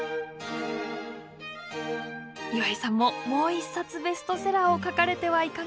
岩井さんももう一冊ベストセラーを書かれてはいかがですか？